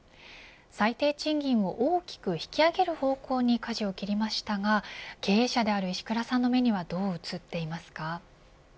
最低賃金を大きく引き上げる方向にかじを切りましたが経営者である石倉さんの目にはどう映っていますか。